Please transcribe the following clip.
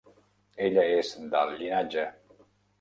Ella és d'alt llinatge.